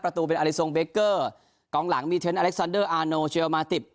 ประตูเป็นอลิทรงเบคเกอร์กองหลังมีเทรนดอเล็กซันเดอร์อาโนเชียลมาติด